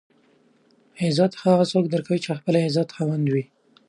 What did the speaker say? عزت هغه څوک درکوي چې خپله د عزت خاوند وي.